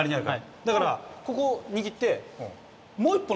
だからここ握って。